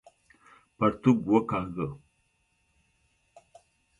پرتوګ وکاږه!